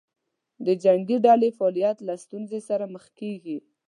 د جنګې ډلې فعالیت له ستونزې سره مخ کېږي.